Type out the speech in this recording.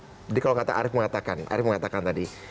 jadi kalau kata arief mengatakan tadi